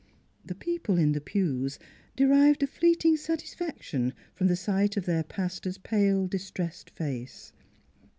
" The people in the pews derived a fleeting satisfaction from the sight of their pastor's pale, distressed face.